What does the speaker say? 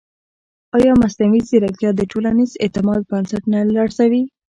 ایا مصنوعي ځیرکتیا د ټولنیز اعتماد بنسټ نه لړزوي؟